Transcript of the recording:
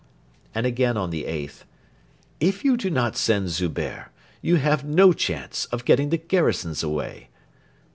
And again on the 8th: 'If you do not send Zubehr, you have no chance of getting the garrisons away.'